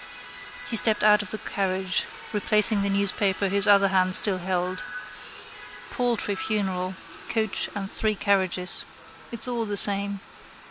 He stepped out of the carriage, replacing the newspaper his other hand still held. Paltry funeral: coach and three carriages. It's all the same.